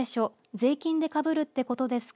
税金でかぶるってことですか。